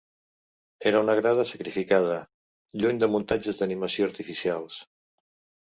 Era una grada sacrificada, lluny de muntatges d’animació artificials.